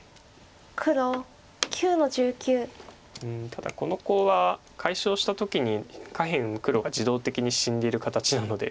ただこのコウは解消した時に下辺黒が自動的に死んでる形なので。